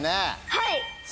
はい。